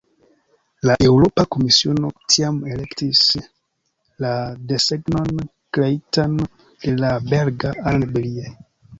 La Eŭropa Komisiono tiam elektis la desegnon kreitan de la belga Alain Billiet.